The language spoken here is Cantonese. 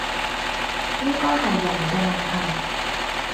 應該係人嘅問題